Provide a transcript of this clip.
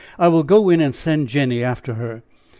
I will go in and send Jenny after her.